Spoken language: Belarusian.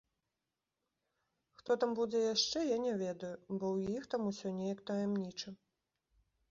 Хто там будзе яшчэ, я не ведаю, бо ў іх там усё неяк таямніча.